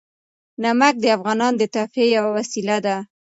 نمک د افغانانو د تفریح یوه وسیله ده.